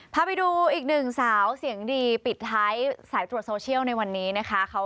พาไปดูอีกหนึ่งสาวเสียงดีปิดท้ายสายตรวจโซเชียลในวันนี้นะคะ